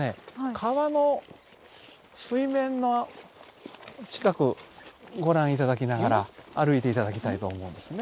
川の水面の近くご覧頂きながら歩いて頂きたいと思うんですね。